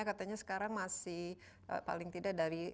katanya sekarang masih paling tidak dari